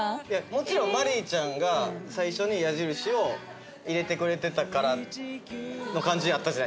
もちろんマリーちゃんが最初に矢印を入れてくれてたからの感じやったじゃない？